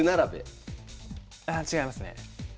ああ違いますね。